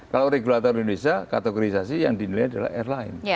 kalau regulator indonesia kategorisasi yang dinilai adalah airline